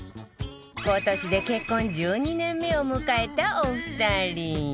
今年で結婚１２年目を迎えたお二人。